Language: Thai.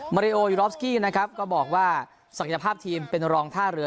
มาริโอยูรอฟสกี้นะครับก็บอกว่าศักยภาพทีมเป็นรองท่าเรือ